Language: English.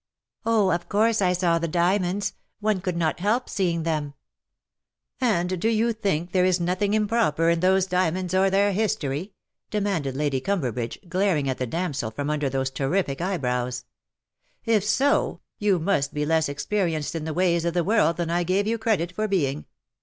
^' Oh, of course I saw the diamonds. One could not help seeing them.'^ " And do you think there is nothiug improper in those diamonds, or their history?" demanded Lady LE SECRET DE POLICHINELLE. 235 Cumberbridge,, glaring at the damsel from under those terrific eyebrows. " If so^ you must be less experienced in the ways of the world than I gave you credit for being.